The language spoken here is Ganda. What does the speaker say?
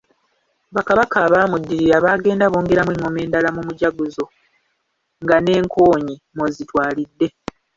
Bakabaka abaamuddirira baagenda bongeramu engoma endala mu mujaguzo nga n’enkoonyi mw'ozitwalidde.